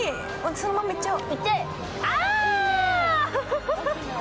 そのままいっちゃおう。